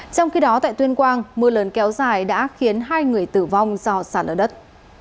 trong khi đó tại tuyên quang mưa lớn kéo dài đã khiến hai người tử vong do sạt lở đất